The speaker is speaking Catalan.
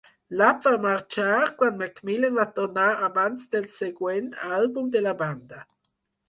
Lapp va marxar quan MacMillan va tornar abans del següent àlbum de la banda.